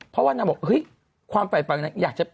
เพราะว่านางบอกความฝ่ายฝันอยากจะ